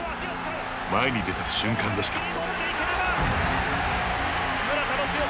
前に出た瞬間でした。